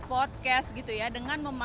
podcast gitu ya dengan